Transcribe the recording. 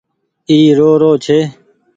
اي رو رو ڇي ۔